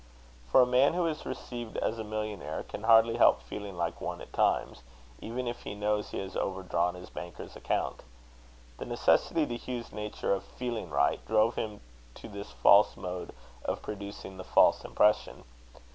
For a man who is received as a millionaire can hardly help feeling like one at times, even if he knows he has overdrawn his banker's account. The necessity to Hugh's nature of feeling right, drove him to this false mode of producing the false impression.